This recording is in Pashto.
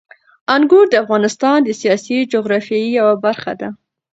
انګور د افغانستان د سیاسي جغرافیې یوه برخه ده.